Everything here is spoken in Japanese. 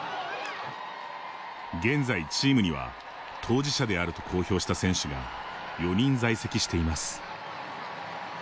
現在、チームには当事者であると公表した選手が４人在籍しています。